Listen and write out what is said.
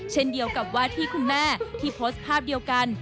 เช่นเดียวกับว่าที่คุณแม่ที่โพสต์ภาพเดียวกัน